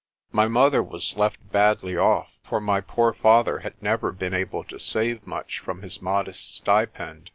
My mother was left badly off, for my poor father had never been able to save much from his modest stipend.